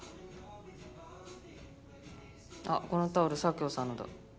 あっこのタオル左京さんのだ。